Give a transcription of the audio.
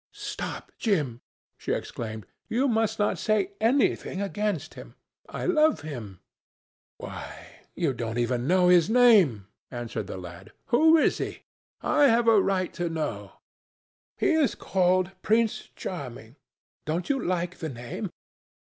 "Stop, Jim!" she exclaimed. "You must not say anything against him. I love him." "Why, you don't even know his name," answered the lad. "Who is he? I have a right to know." "He is called Prince Charming. Don't you like the name.